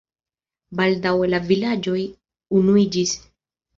Baldaŭe la vilaĝoj unuiĝis.